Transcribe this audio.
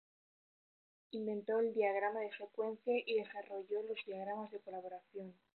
Inventó el diagrama de secuencia y desarrolló los diagramas de colaboración.